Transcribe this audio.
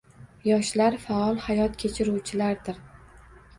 Yoshlar faol hayot kechiruvchilardir.